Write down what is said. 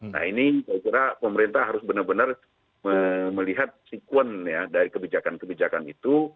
nah ini saya kira pemerintah harus benar benar melihat sekuen ya dari kebijakan kebijakan itu